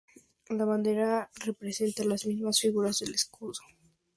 La bandera representa las mismas figuras del escudo.